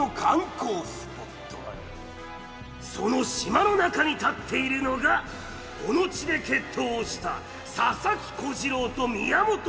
その島の中に立っているのがこの地で決闘をした佐々木小次郎と宮本武蔵の像。